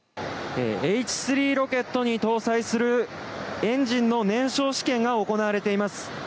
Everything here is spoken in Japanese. Ｈ３ロケットに搭載するエンジンの燃焼試験が行われています。